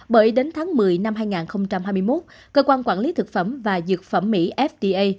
bởi đến tháng một mươi năm hai nghìn hai mươi một cơ quan quản lý thực phẩm và dược phẩm mỹ fda